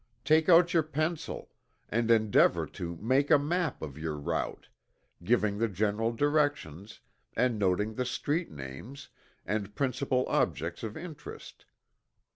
Take out your pencil, and endeavor to make a map of your route, giving the general directions, and noting the street names, and principal objects of interest.